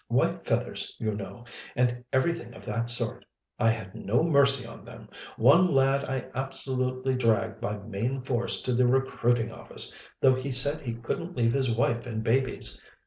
White feathers, you know, and everything of that sort. I had no mercy on them. One lad I absolutely dragged by main force to the recruiting office, though he said he couldn't leave his wife and babies.